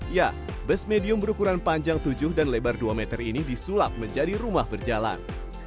ya bus medium berukuran panjang tujuh dan lebar dua meter ini disulap menjadi rumah berjalan